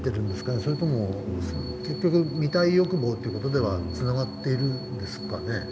それとも見たい欲望という事ではつながっているんですかね。